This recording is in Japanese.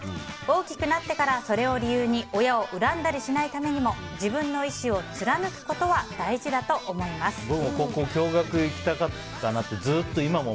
大きくなってからそれを理由に親を恨んだりしないように自分の意志を貫くことは大事だと思います。